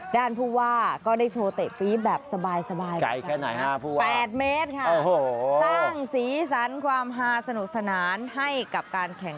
ด้านผู้ว่าก็ได้โชว์เตะปี๊บแบบสบายแบบนั้น